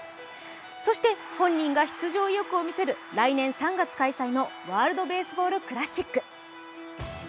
そして、本人が出場意欲を見せる来年３月開催のワールドベースボールクラシック。